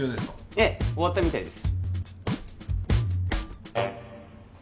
ええ終わったみたいです